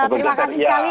terima kasih sekali